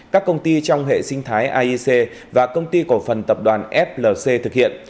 các công ty trong hệ sinh thái aic và công ty cổ phần tập đoàn flc thực hiện